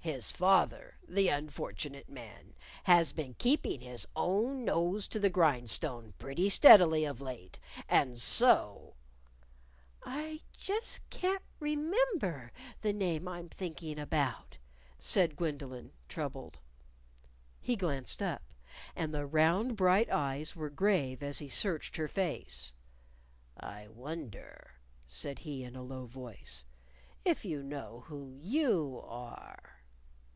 "His father the unfortunate man has been keeping his own nose to the grindstone pretty steadily of late, and so " "I can't just remember the name I'm thinking about," said Gwendolyn, troubled. He glanced up. And the round, bright eyes were grave as he searched her face. "I wonder," he said in a low voice, "if you know who you are."